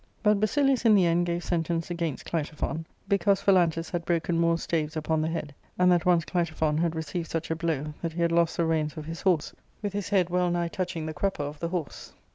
But Basiliua in the end gave sentence against Clitophon, because Phalantu$ had broken more staves upon the head, and that once Clito<^ phon had received such a blow that he had lost the rein^ of his horse, with his head well nigh touching the crupper o( the horse.